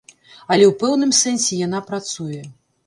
Але ў пэўным сэнсе яна працуе.